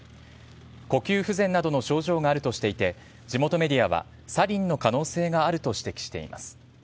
呼吸不全などの症状があるとしていて、地元メディアは、サリンの可能性があると指摘しています。